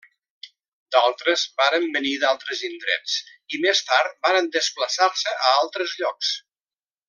D'altres varen venir d'altres indrets i més tard varen desplaçar-se a altres llocs.